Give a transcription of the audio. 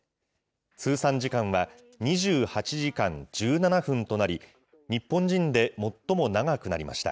通算時間は２８時間１７分となり、日本人で最も長くなりました。